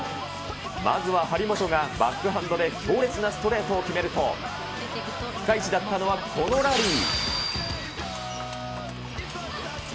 まずは張本がバックハンドで強烈なストレートを決めると、ピカイチだったのはこのラリー。